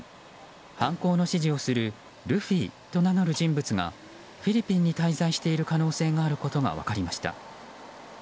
犯行の指示をするルフィと名乗る人物がフィリピンに滞在している可能性があることが分かりました。